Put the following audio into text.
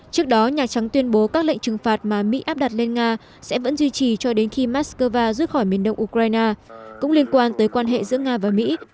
trước đó nhà trắng tuyên bố các lệnh trừng phạt mà mỹ áp đặt lên nga sẽ vẫn duy trì cho đến khi moscow rút khỏi miền đông ukraine cũng liên quan tới quan hệ giữa nga và mỹ